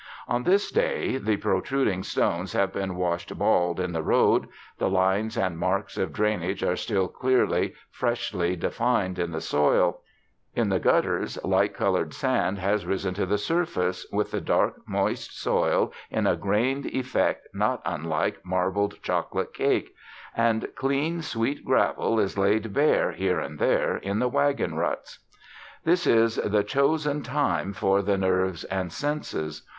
On this day the protruding stones have been washed bald in the road; the lines and marks of drainage are still clearly, freshly defined in the soil; in the gutters light coloured sand has risen to the surface with the dark moist soil in a grained effect not unlike marbled chocolate cake; and clean, sweet gravel is laid bare here and there in the wagon ruts. This is the chosen time for the nerves and senses.